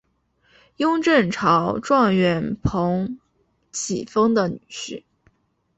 雍正朝状元彭启丰的女婿。